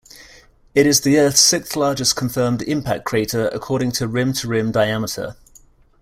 It is the earth's sixth-largest confirmed impact crater according to rim-to-rim diameter.